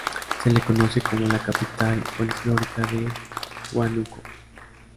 Se le conoce como la "Capital Folclórica de Huánuco".